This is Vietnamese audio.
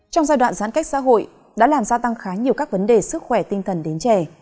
trong giai đoạn giãn cách xã hội đã làm gia tăng khá nhiều các vấn đề sức khỏe tinh thần đến trẻ